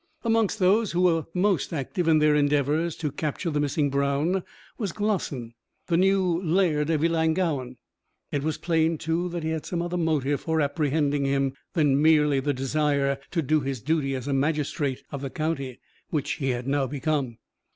Amongst those who were most active in their endeavours to capture the missing Brown was Glossin, the new Laird of Ellangowan. It was plain, too, that he had some other motive for apprehending him than merely the desire to do his duty as a magistrate of the county, which he had now become.